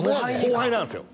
後輩なんすよ